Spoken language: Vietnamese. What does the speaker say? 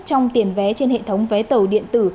trong tiền vé trên hệ thống vé tàu điện tử